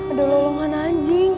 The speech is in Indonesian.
ada lelungan anjing